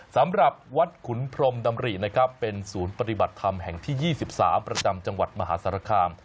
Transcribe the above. สำหรับวัดขุนพรมดำรินะครับเป็นศูนย์ปฏิบัติธรรมแห่งที่๒๓ประจำจังหวัดมหาสารคาม